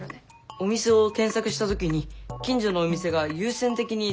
お店を検索した時に近所のお店が優先的に出ることもあるね。